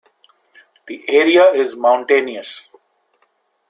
The area is mountainous.